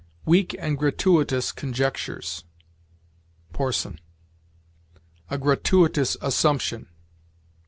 "Weak and gratuitous conjectures." Porson. "A gratuitous assumption."